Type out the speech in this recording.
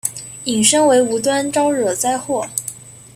引申为无端招惹灾祸。